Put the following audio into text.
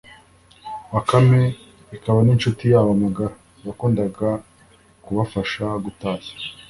Bakame, ikaba n’inshuti yabo magara. Yakundaga kubafasha gutashya,